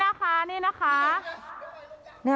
นี่นะคะนี่นะคะ